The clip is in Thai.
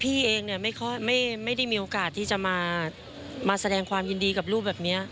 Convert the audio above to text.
พี่เองเนี่ยไม่ได้มีโอกาสที่จะมาแสดงความยินดีกับลูกแบบนี้